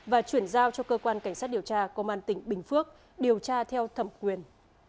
và chuyển giao cho cơ quan cảnh sát điều tra công an tỉnh bình phước điều tra theo thẩm quyền